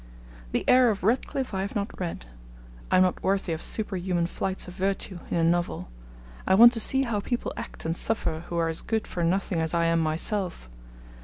... The Heir of Redcliffe I have not read. ... I am not worthy of superhuman flights of virtue in a novel. I want to see how people act and suffer who are as good for nothing as I am myself.